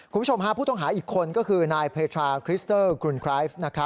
คุณผู้ชมผู้ต้องหาก็คือนายเพชาคริสเตอร์กรุณครัฟท์